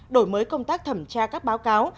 đổi mới công tác thẩm tra các báo cáo